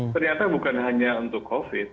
ternyata bukan hanya untuk covid